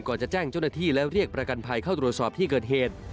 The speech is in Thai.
จะแจ้งเจ้าหน้าที่และเรียกประกันภัยเข้าตรวจสอบที่เกิดเหตุ